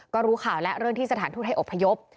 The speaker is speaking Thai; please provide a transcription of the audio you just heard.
ก็รู้ข่าวแล้วเรื่องที่สถานทูตให้อบพยพ